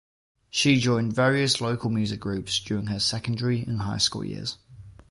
She joined various local music groups during her secondary and high school years.